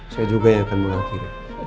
saya juga yang akan mengakhiri